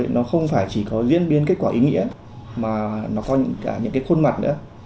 nó có cả những khuôn mặt nữa